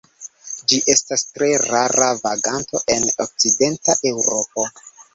Ĝi estas tre rara vaganto en okcidenta Eŭropo.